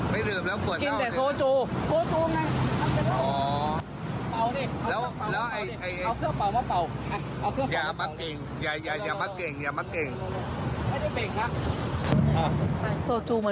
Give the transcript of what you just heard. ไม่ดื่ม